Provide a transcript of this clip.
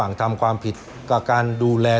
ก็ต้องชมเชยเขาล่ะครับเดี๋ยวลองไปดูห้องอื่นต่อนะครับ